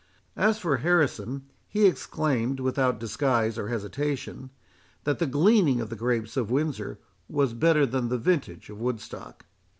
As for Harrison, he exclaimed, without disguise or hesitation, that the gleaning of the grapes of Windsor was better than the vintage of Woodstock.